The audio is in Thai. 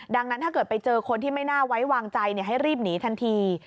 ดังนั้นถ้าเกิดไปเจอคนที่ไม่น่าไว้วางใจให้รีบหนีทันที